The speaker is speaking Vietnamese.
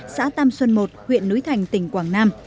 xã tam xuân một huyện núi thành tỉnh quảng nam